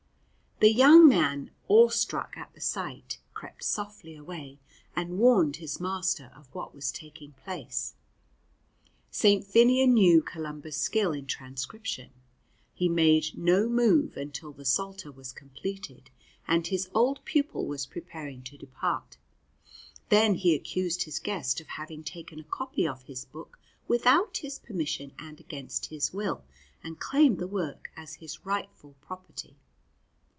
The young man, awestruck at the sight, crept softly away, and warned his master of what was taking place. St. Finnian knew Columba's skill in transcription. He made no move until the Psalter was completed, and his old pupil was preparing to depart. Then he accused his guest of having taken a copy of his book without his permission and against his will, and claimed the work as his rightful property.